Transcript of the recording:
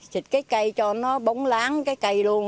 xịt cái cây cho nó bóng láng cái cây luôn